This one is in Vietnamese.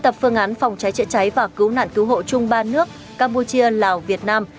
phương án phòng cháy chữa cháy và cứu nạn cứu hộ chung ba nước campuchia lào việt nam